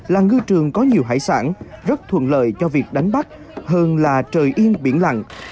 là ngư trường có nhiều hải sản rất thuận lợi cho việc đánh bắt hơn là trời yên biển lặng